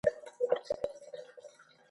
اصلي کار ټکنالوژیک ادغام دی.